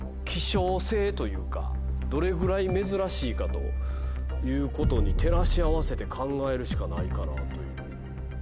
どれぐらい珍しいかということに照らし合わせて考えるしかないかなという。